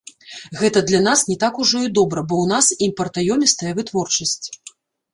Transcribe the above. Гэта для нас не так ужо і добра, бо ў нас імпартаёмістая вытворчасць.